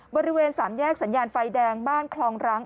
บริเวณสามแยกสัญญาณไฟแดงบ้านคลองรัง